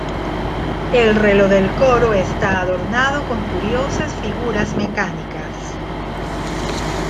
El reloj del coro está adornado con curiosas figuras mecánicas.